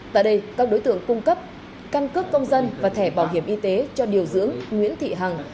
tại đây các đối tượng cung cấp căn cước công dân và thẻ bảo hiểm y tế cho điều dưỡng nguyễn thị hằng